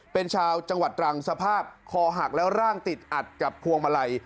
เป็นชาวจังหวัดตรังสภาพคอหักแล้วร่างติดอัดกับพวงมาลัย